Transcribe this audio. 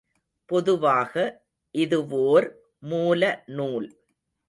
பொதுவாக இதுவோர் மூலநூல்.